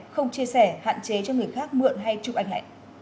không chia sẻ hạn chế cho người khác mượn hay chụp ánh lệnh